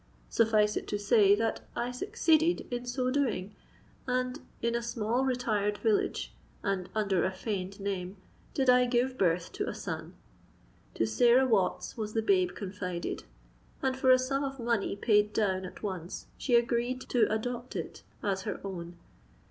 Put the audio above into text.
Suffice it to say, that I succeeded in so doing—and, in a small retired village, and under a feigned name, did I give birth to a son. To Sarah Watts was the babe confided;—and, for a sum of money paid down at once, she agreed to adopt it as her own.